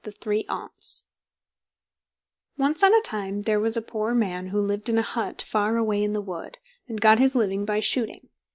THE THREE AUNTS Once on a time there was a poor man who lived in a hut far away in the wood, and got his living by shooting.